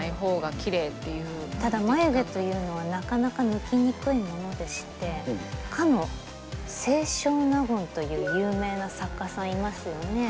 ただ眉毛というのはなかなか抜きにくいものでしてかの清少納言という有名な作家さんいますよね。